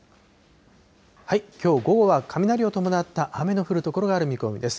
きょう午後は雷を伴った雨の降る所がある見込みです。